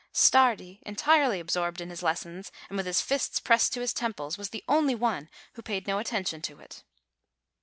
Stardi, entirely absorbed in his lessons, and with his fists pressed to his temples, was the only one who paid no attention to it.